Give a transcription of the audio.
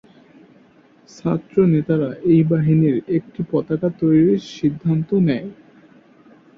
ছাত্র নেতারা এই বাহিনীর একটি পতাকা তৈরির সিদ্ধান্ত নেয়।